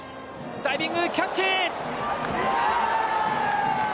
ダイビングキャッチ！